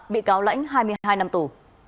bị cáo lãnh hai mươi hai năm tù